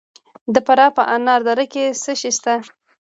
د فراه په انار دره کې څه شی شته؟